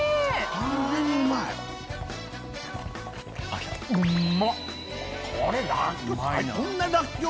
完全にうまい。これ。